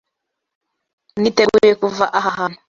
Niteguye kuva aha hantu.